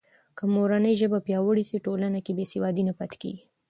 که مورنۍ ژبه پیاوړې سي، ټولنه کې بې سوادي نه پاتې کېږي.